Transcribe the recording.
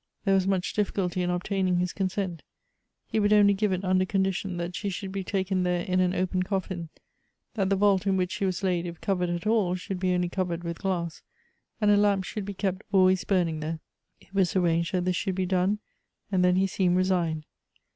There was much difficulty in obtaining his consent; he would only give it under condition that she should be taken there in an open coffin ; that the vault in which she was laid, if covered at all, should be only covered with glass, and a lamp should be kept always burning there. It was arranged that this should bo done, and then he seemed resigned.